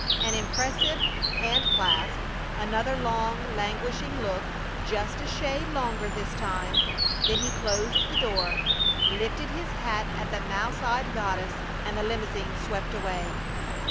An impressive hand clasp, another long, languishing look, just a shade longer this time; then he closed the door, lifted his hat at the mouse eyed goddess, and the limousine swept away.